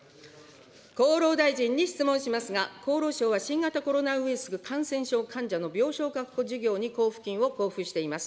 厚労大臣に質問しますが、厚労省は新型コロナウイルス感染症患者の病床確保事業に交付金を交付しています。